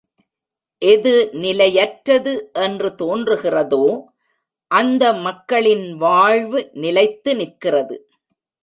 எது நிலையற்றது என்று தோன்றுகிறதோ, அந்த மக்களின் வாழ்வு நிலைத்து நிற்கிறது.